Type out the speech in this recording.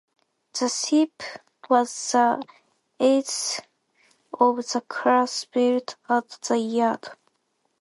The ship was the eighth of the class built at the yard.